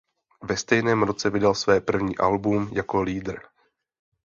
Ve stejném roce vydal své první album jako leader.